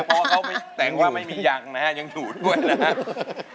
เพราะเขาแต่งว่าไม่มียังนะฮะยังอยู่ด้วยนะครับ